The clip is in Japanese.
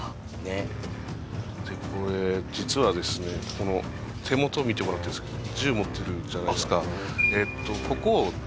この手元見てもらっていいですか？